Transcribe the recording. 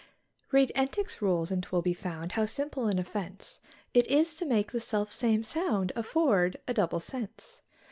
Read Entick's rules, and 'twill be found, how simple an offence It is to make the self same sound afford a double sense.